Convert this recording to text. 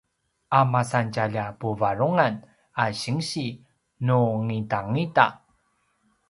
a masan tjalja puvarungan a sinsi nu ngidangida